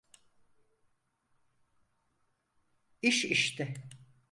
İş işte.